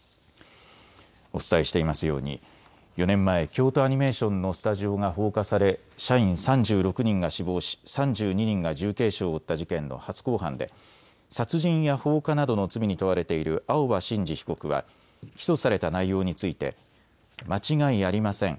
お伝えしていますように４年前、京都アニメーションのスタジオが放火され社員３６人が死亡し３２人が重軽傷を負った事件の初公判で殺人や放火などの罪に問われている青葉真司被告は起訴された内容について間違いありません。